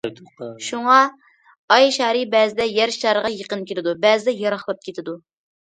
شۇڭا ئاي شارى بەزىدە يەر شارىغا يېقىن كېلىدۇ، بەزىدە يىراقلاپ كېتىدۇ.